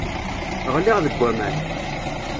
Ɣliɣ deg aman.